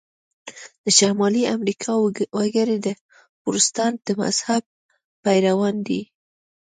د شمالي امریکا وګړي د پروتستانت د مذهب پیروان دي.